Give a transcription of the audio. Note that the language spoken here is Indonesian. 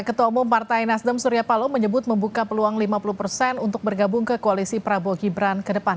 ketua umum partai nasdem surya paloh menyebut membuka peluang lima puluh persen untuk bergabung ke koalisi prabowo gibran ke depan